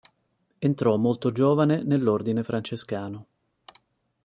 Entrò molto giovane nell'Ordine francescano.